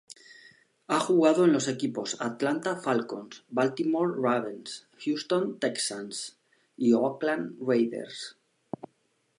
Ha jugado en los equipos Atlanta Falcons, Baltimore Ravens, Houston Texans y Oakland Raiders.